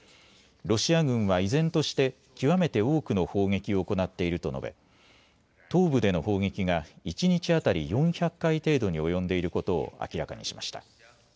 ロシア軍は依然として極めて多くの砲撃を行っていると述べ東部での砲撃が一日当たり４００回程度に及んでいることを明らかにしました。